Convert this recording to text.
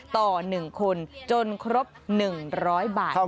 ต่อ๑คนจนครบ๑๐๐บาท๑๐๐วัน